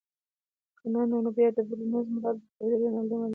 که نه نو بیا د برونزو مډال درکوي. رینالډي معلومات ورکړل.